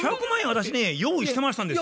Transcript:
私ね用意してましたんですよ。